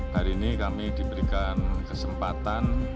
hari ini kami diberikan kesempatan